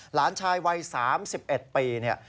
หลานชายวัย๓๑ปี